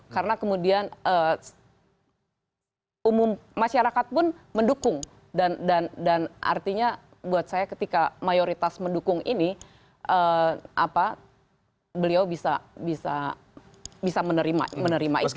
karena kemudian umum masyarakat pun mendukung dan artinya buat saya ketika mayoritas mendukung ini beliau bisa menerima itu